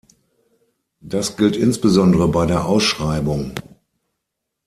Das gilt insbesondere bei der Ausschreibung.